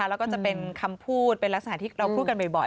แล้วก็จะเป็นคำพูดเป็นลักษณะที่เราพูดกันบ่อย